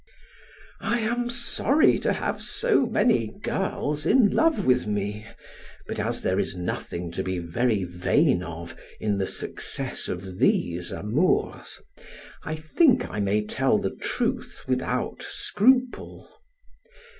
I am sorry to have so many girls in love with me, but as there is nothing to be very vain of in the success of these amours, I think I may tell the truth without scruple.